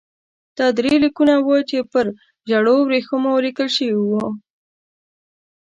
دا درې لیکونه وو چې پر ژړو ورېښمو لیکل شوي وو.